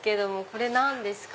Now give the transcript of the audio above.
これ何ですか？